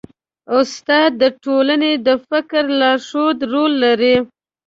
استاد د ټولنې د فکري لارښودۍ رول لري.